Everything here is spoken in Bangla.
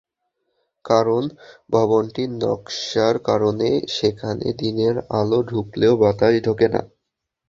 কারণ, ভবনটির নকশার কারণে সেখানে দিনের আলো ঢুকলেও বাতাস ঢোকে না।